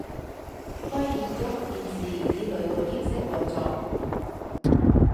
该建筑现时以旅馆形式运作。